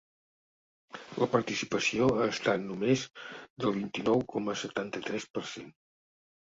La participació ha estat només del vint-i-nou coma setanta-tres per cent.